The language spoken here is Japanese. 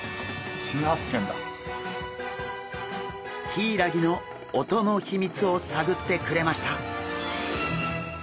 ヒイラギの音の秘密を探ってくれました！